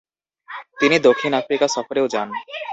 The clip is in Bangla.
তিনি দক্ষিণ আফ্রিকা সফরেও যান।